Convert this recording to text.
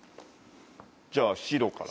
じゃあ白から。